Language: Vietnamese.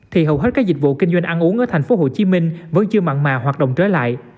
thì hầu hết các dịch vụ kinh doanh ăn uống ở thành phố hồ chí minh vẫn chưa mặn mà hoạt động trở lại